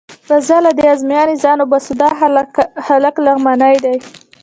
راځه له دې ازموینې ځان وباسه، دا هلک لغمانی دی.